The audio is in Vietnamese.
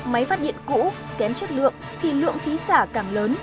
máy phát điện cũ kém chất lượng thì lượng khí xả càng lớn